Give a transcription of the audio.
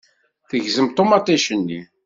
Tegzem ṭumaṭic-nni.